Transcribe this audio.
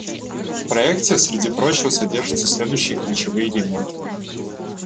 В проекте, среди прочего, содержатся следующие ключевые элементы.